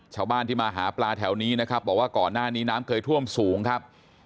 ชาวบ้านที่มาหาปลาแถวนี้นะครับบอกว่าก่อนหน้านี้น้ำเคยท่วมสูงครับ